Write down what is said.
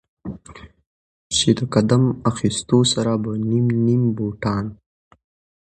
چې د قدم اخيستو سره به نيم نيم بوټان